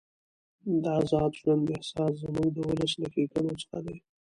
د ازاد ژوند احساس زموږ د ولس له ښېګڼو څخه دی.